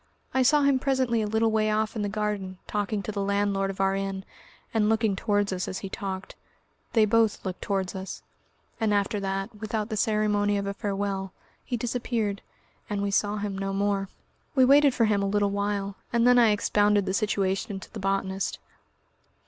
I saw him presently a little way off in the garden, talking to the landlord of our inn, and looking towards us as he talked they both looked towards us and after that, without the ceremony of a farewell, he disappeared, and we saw him no more. We waited for him a little while, and then I expounded the situation to the botanist....